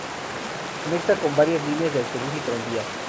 Conecta con varias líneas de autobús y tranvía.